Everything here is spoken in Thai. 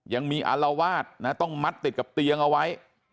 ยังมีอารวาสนะต้องมัดติดกับเตียงเอาไว้